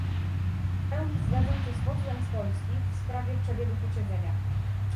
w pełni zgadzam się z posłem z Polski w sprawie przebiegu posiedzenia